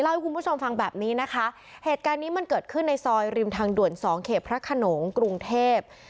ให้คุณผู้ชมฟังแบบนี้นะคะเหตุการณ์นี้มันเกิดขึ้นในซอยริมทางด่วนสองเขตพระขนงกรุงเทพ